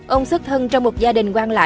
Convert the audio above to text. ông xuất thân trong một gia đình quang lạc